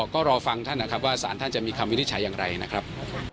ก็รอฟังท่านนะครับว่าสารท่านจะมีคำวินิจฉัยอย่างไรนะครับ